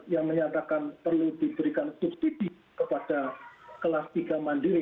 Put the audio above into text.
yang menyatakan perlu diberikan subsidi kepada kelas tiga mandiri